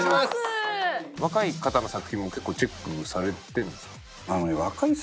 若い方の作品も結構チェックされてるんですか？